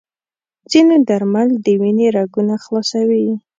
ځینې درمل د وینې رګونه خلاصوي.